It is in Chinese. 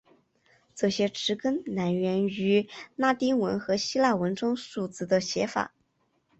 这些词根来源于拉丁文和希腊文中数字的写法。